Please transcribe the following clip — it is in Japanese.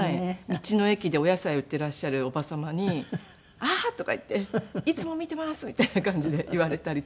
道の駅でお野菜を売っていらっしゃるおば様に「あっ！」とか言って「いつも見ています」みたいな感じで言われたりとか。